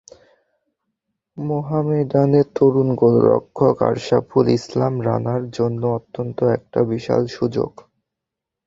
মোহামেডানের তরুণ গোলরক্ষক আশরাফুল ইসলাম রানার জন্য অন্তত এটা বিশাল সুযোগ।